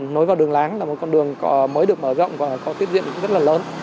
nối vào đường láng là một con đường mới được mở rộng và có tiết diện rất là lớn